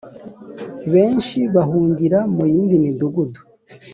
benshi bahungira mu yindi midugudu